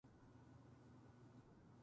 来週ディズニーに行く予定です